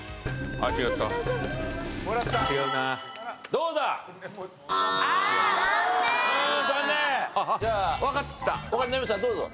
どうぞ。